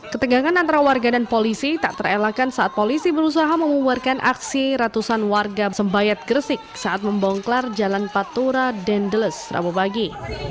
ketegangan antara warga dan polisi tak terelakkan saat polisi berusaha memubarkan aksi ratusan warga sembayat gresik saat membongkar jalan patura dendels rabu pagi